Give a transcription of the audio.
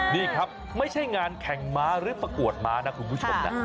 นี่ครับไม่ใช่งานแข่งม้าหรือประกวดม้านะคุณผู้ชมนะ